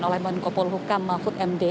disampaikan oleh mbak ngo polhukam mahut md